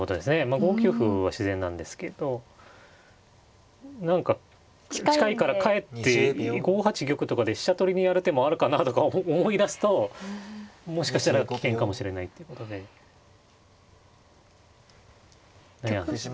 ５九歩は自然なんですけど何か近いからかえって５八玉とかで飛車取りにやる手もあるかなとか思いだすともしかしたら危険かもしれないっていうことで悩んでる。